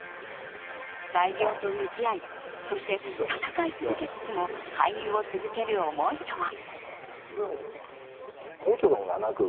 大病と向き合いそして闘い続けつつも俳優を続ける思いとは。